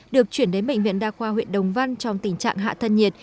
được chuyển đến bệnh viện đa khoa huyện đồng văn trong tình trạng hạ thân nhiệt